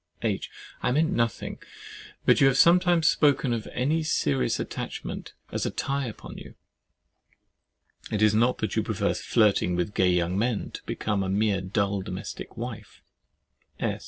H. I meant nothing; but you have sometimes spoken of any serious attachment as a tie upon you. It is not that you prefer flirting with "gay young men" to becoming a mere dull domestic wife? S.